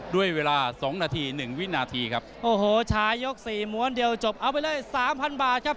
ด้วยเวลาสองนาทีหนึ่งวินาทีครับโอ้โหชายยกสี่ม้วนเดียวจบเอาไปเลยสามพันบาทครับ